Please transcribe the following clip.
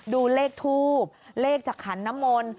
ดูเลขทูบเลขจากขันน้ำมนต์